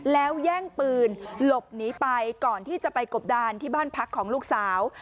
แล้วแย่งปืนหลบหนีไปก่อนที่จะไปกบดานที่บ้านพักของลูกสาว